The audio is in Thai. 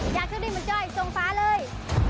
อย่าเข้าดินมาจ้อยส่งฝาเลย